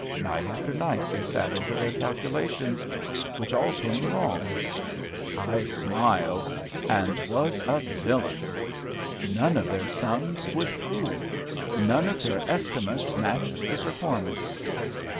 Night after night, they sat over their calculations, which all came wrong. I smiled, and was a villain! None of their sums would prove. None of their estimates matched the performance!